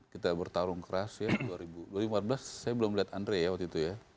kita bertarung keras ya dua ribu empat belas saya belum lihat andre ya waktu itu ya